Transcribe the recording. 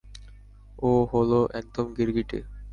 ও হলো একদম গিরগিটি।